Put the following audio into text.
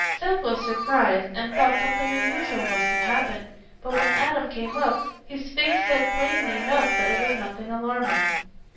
Seth was surprised, and thought something unusual must have happened, but when Adam came up, his face said plainly enough that it was nothing alarming.